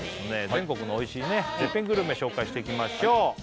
全国のおいしいね絶品グルメ紹介していきましょうＶＴＲ